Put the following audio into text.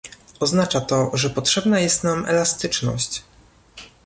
Oznacza to, że potrzebna jest nam elastyczność